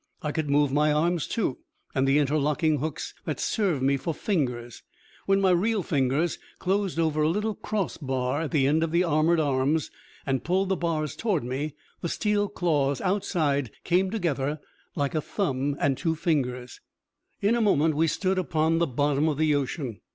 I could move my arms, too, and the interlocking hooks that served me for fingers. When my real fingers closed upon a little cross bar at the end of the armored arms, and pulled the bars towards me, the steel claws outside came together, like a thumb and two fingers. In a moment we stood upon the bottom of the ocean.